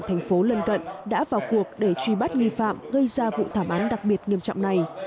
thành phố lân cận đã vào cuộc để truy bắt nghi phạm gây ra vụ thảm án đặc biệt nghiêm trọng này